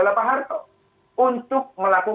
nah seharusnya ketika